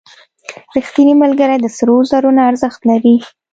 • رښتینی ملګری د سرو زرو نه ارزښت لري.